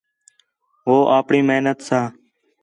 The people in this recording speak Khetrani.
ہو آپݨی محنت ساں